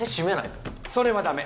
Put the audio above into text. それはダメ。